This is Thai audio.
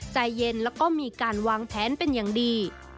ใจเย็นแล้วก็มีการวางแผนเป็นอย่างดี